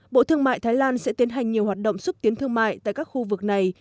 bộ thương mại thái lan sẽ tiến hành nhiều hoạt động xúc tiến thương mại tại các khu vực này